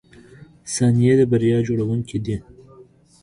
• ثانیې د بریا جوړونکي دي.